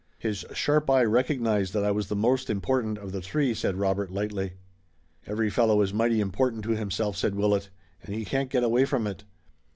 "His sharp eye recognized that I was the most important of the three," said Robert lightly. "Every fellow is mighty important to himself," said Willet, "and he can't get away from it.